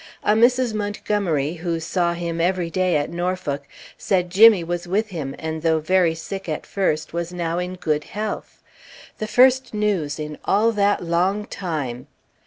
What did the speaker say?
A Mrs. Montgomery, who saw him every day at Norfolk, said Jimmy was with him, and though very sick at first, was now in good health. The first news in all that long time!